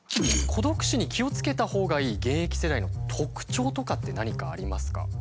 孤独死に気をつけたほうがいい現役世代の特徴とかって何かありますか？